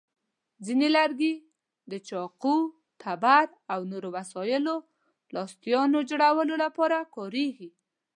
ځینې لرګي د چاقو، تبر، او نورو وسایلو لاستیان جوړولو لپاره کارېږي.